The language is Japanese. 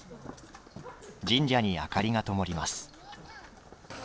神社に明かりがともります。